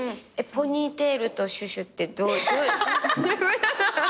『ポニーテールとシュシュ』ってどういう。